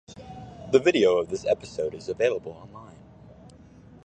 The video of this episode is available online.